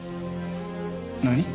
何？